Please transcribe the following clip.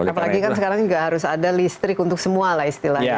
apalagi sekarang kan tidak harus ada listrik untuk semua lah istilahnya